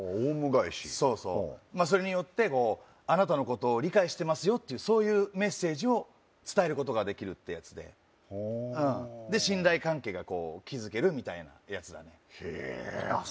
返しそうそうそれによってあなたのことを理解してますよってそういうメッセージを伝えることができるってやつでほおで信頼関係がこう築けるみたいなやつだねへえあっ